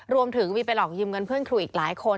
รวมถึงมีไปหลอกยืมเงินเพื่อนครูอีกหลายคน